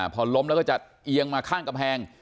พอล้มแล้วก็จะเอียงมาข้างกำแพง